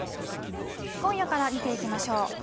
今夜から見ていきましょう。